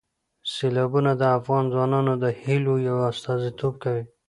سیلابونه د افغان ځوانانو د هیلو یو استازیتوب کوي.